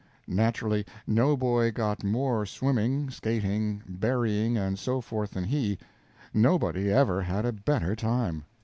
Naturally, no boy got more swimming skating, berrying, and so forth than he; no body ever had a better time.